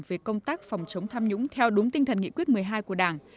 về công tác phòng chống tham nhũng theo đúng tinh thần nghị quyết một mươi hai của đảng